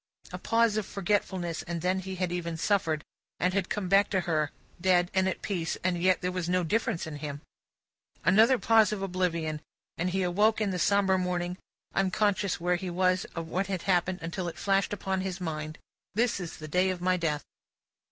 A pause of forgetfulness, and then he had even suffered, and had come back to her, dead and at peace, and yet there was no difference in him. Another pause of oblivion, and he awoke in the sombre morning, unconscious where he was or what had happened, until it flashed upon his mind, "this is the day of my death!"